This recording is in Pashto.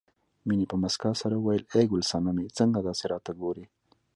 مينې په مسکا سره وویل ای ګل سنمې څنګه داسې راته ګورې